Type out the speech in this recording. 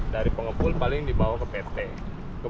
dari pengepul paling dibawa ke pt